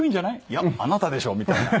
「いやあなたでしょ」みたいな。